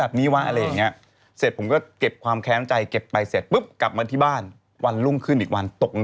อันนี้เรื่องจริงทำไมเธอโกรธเรื่องอะไร